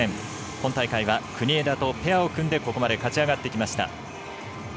今大会は国枝とペアを組んでここまで勝ち上がってきました。